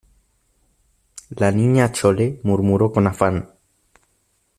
la Niña Chole murmuró con afán: